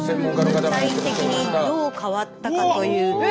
具体的にどう変わったかというと。